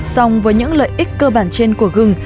song với những lợi ích cơ bản trên của gừng